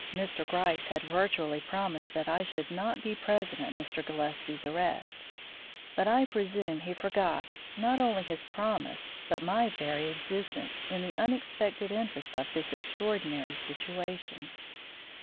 Mr. Gryce had virtually promised that I should not be present at Mr. Gillespie's arrest, but I presume he forgot not only his promise but my very existence in the unexpected interest of this extraordinary situation.